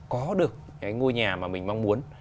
có được cái ngôi nhà mà mình mong muốn